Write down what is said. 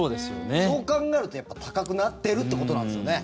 そう考えると高くなってるってことなんですよね。